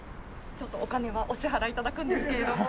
ちょっとお金はお支払い頂くんですけれども。